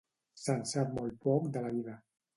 Se'n sap molt poc de la vida.